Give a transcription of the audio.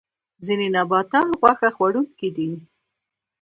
ځینې نباتات غوښه خوړونکي دي